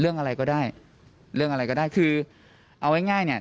เรื่องอะไรก็ได้เรื่องอะไรก็ได้คือเอาง่ายง่ายเนี่ย